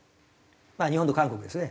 日本と韓国ですね。